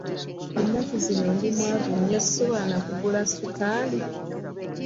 Ennaku zino ndi mwavu nnyo sisobola na kugula sukaali.